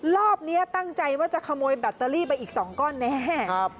รอบนี้ตั้งใจว่าจะขโมยแบตเตอรี่ไปอีก๒ก้อนแน่